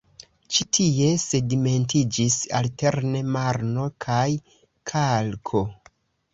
Ĉi tie sedimentiĝis alterne marno kaj kalko.